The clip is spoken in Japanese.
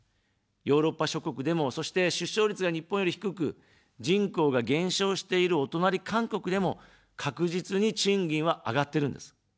ヨーロッパ諸国でも、そして、出生率が日本より低く、人口が減少しているお隣、韓国でも、確実に賃金は上がってるんです。